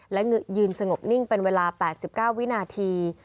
และยืนสงบนิ่งเป็นเวลา๘๙วินาที